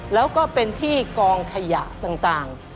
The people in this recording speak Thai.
แล้วก็เป็นที่กองขยะต่าง